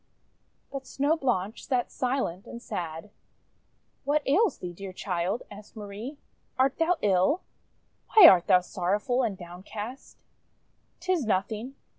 But Snow Blanche sat silent and sad. "What ails thee, dear child?' asked Marie. "Art thou ill? Why art thou sorrowful and downcast?' "Tis nothing.